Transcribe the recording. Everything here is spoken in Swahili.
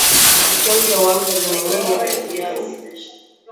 Kuchemsha huamsha vimengenya vya viazi lishe